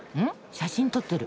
写真撮ってる。